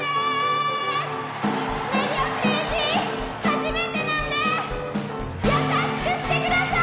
初めてなんで優しくしてください！